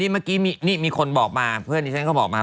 มันมีคนบอกมาเพื่อนที่ฉันก็บอกมา